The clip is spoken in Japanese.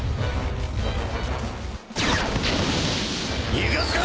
逃がすか！